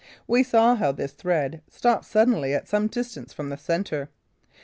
We saw how this thread stops suddenly at some distance from the centre.